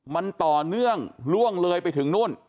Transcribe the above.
มันต่อเนื่องล่วงเลยไปถึงนู่น